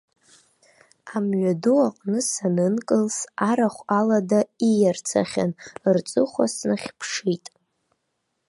Амҩаду аҟны санынкылс, арахә алада ииарцахьан, рҵыхәа снахьыԥшит.